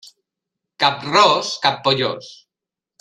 Cap ros, cap pollós.